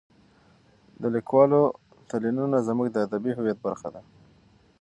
د لیکوالو تلینونه زموږ د ادبي هویت برخه ده.